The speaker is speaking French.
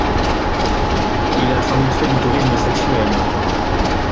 Il a sans doute fait du tourisme sexuel.